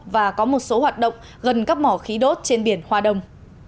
và có một số hoạt động gần các mỏ khí đốt trên biển hoa đông